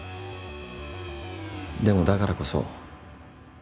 でもだからこそ。